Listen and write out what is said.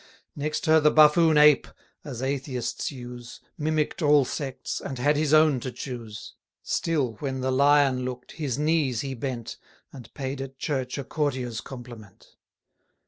Next her the buffoon Ape, as Atheists use, Mimick'd all sects, and had his own to choose: 40 Still when the Lion look'd, his knees he bent, And paid at church a courtier's compliment.